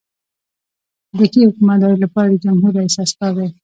د ښې حکومتدارۍ لپاره د جمهور رئیس استازی.